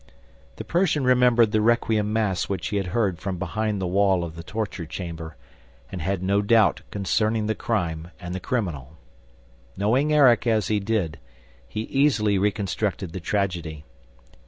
The Persian remembered the requiem mass which he had heard from behind the wall of the torture chamber, and had no doubt concerning the crime and the criminal. Knowing Erik as he did, he easily reconstructed the tragedy.